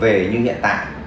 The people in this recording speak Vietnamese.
về như hiện tại